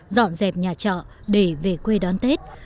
dọn dẹp nhà trọ để về quê đón tết